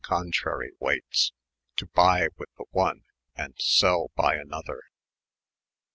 & contrary weightes, to bye with the one, & sell by another.